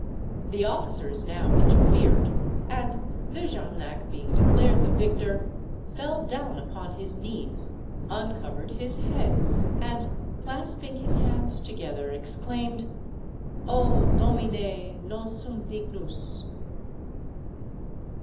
The officers now interfered, and De Jarnac being declared the victor, fell down upon his knees, uncovered his head, and, clasping his hands together, exclaimed: "_O Domine, non sum dignus!